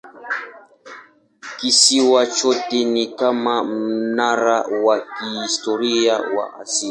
Kisiwa chote ni kama mnara wa kihistoria wa asili.